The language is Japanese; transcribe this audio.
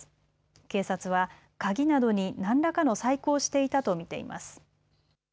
警察は鍵などに何らかの細工をしていたと見ています。